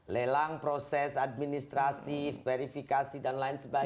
lelang proses administrasi verifikasi dan lain sebagainya